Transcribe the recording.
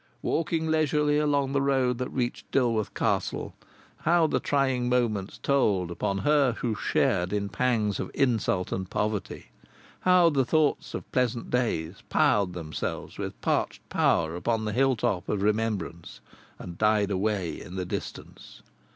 Walking leisurely along the road that reached Dilworth Castle, how the trying moments told upon her who shared in pangs of insult and poverty! how the thoughts of pleasant days piled themselves with parched power upon the hilltop of remembrance and died away in the distance!